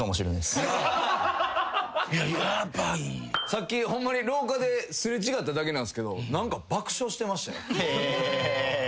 さっきホンマに廊下で擦れ違っただけなんすけど何か爆笑してましたよ。